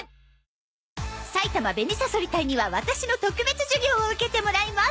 埼玉紅さそり隊にはワタシの特別授業を受けてもらいます